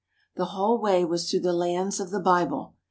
The whole way was through the lands of the Bible.